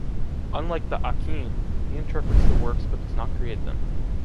Unlike the aqyn, he interprets the works but does not create them.